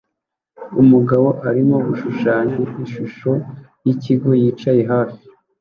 Umugabo arimo gushushanya ishusho yikigo yicaye hafi